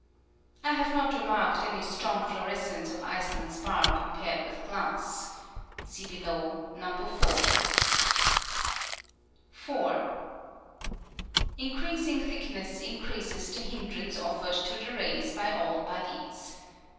I have not remarked any strong fluores cence of Iceland spar compared with glass (see below, No. 4). 4. Increasing thickness increases the hindrance offered to the rays by all bodies.